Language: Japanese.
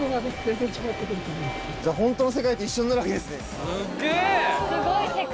じゃほんとの世界と一緒になるわけですね。